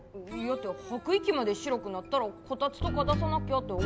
やって吐く息まで白くなったらこたつとか出さなきゃって思うでしょ？